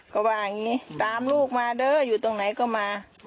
ก็ว่าอย่างนี้ตามลูกมาเด้ออยู่ตรงไหนก็มา